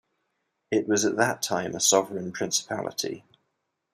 It was at that time a sovereign principality.